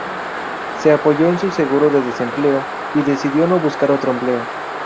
Se apoyó en su seguro de desempleo y decidió no buscar otro empleo.